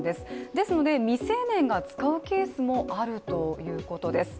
ですので、未成年が使うケースもあるということです。